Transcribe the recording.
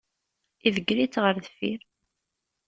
Idegger-itt ɣer deffir.